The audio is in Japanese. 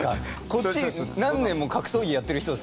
こっち何年も格闘技やってる人ですよ。